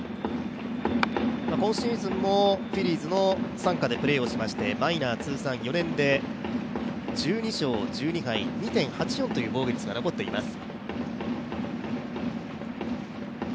今シーズンもフィリーズの傘下でプレーしまして、４年で通算１２勝１２敗、２．８４という防御率が残っています。